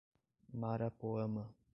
Marapoama